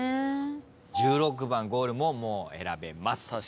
１６番ゴールももう選べます。